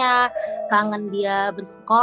aku udah pengen daro